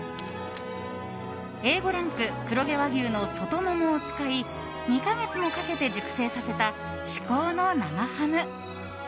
Ａ５ランク黒毛和牛の外モモを使い２か月もかけて熟成させた至高の生ハム。